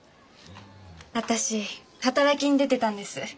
あたし働きに出てたんです。